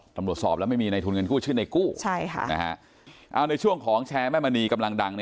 ตำรวจสอบแล้วไม่มีในทุนเงินกู้ชื่อในกู้ใช่ค่ะ